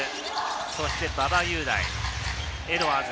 そして馬場雄大、エドワーズ。